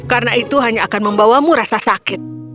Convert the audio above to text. karena itu hanya akan membawamu rasa sakit